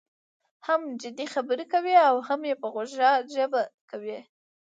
هم جدي خبره کوي او هم یې په خوږه ژبه کوي.